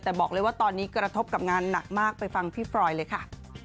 แต่บอกเลยว่าตอนนี้กระทบกับงานหนักมากไปฟังพี่ฟรอยเลยค่ะ